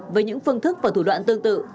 với những phương thức và thủ đoạn tương tự